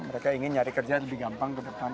mereka ingin nyari kerja lebih gampang ke depan